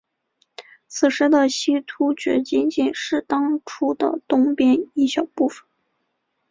此时的西突厥仅仅是当初的东边一小部分。